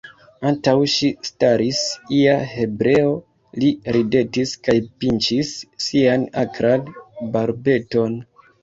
Antaŭ ŝi staris ia hebreo, li ridetis kaj pinĉis sian akran barbeton.